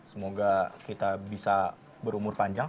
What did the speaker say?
semoga kita bisa berumur panjang